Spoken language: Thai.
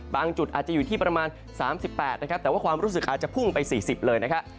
จุดอาจจะอยู่ที่ประมาณ๓๘นะครับแต่ว่าความรู้สึกขาจะพุ่งไป๔๐เลยนะครับ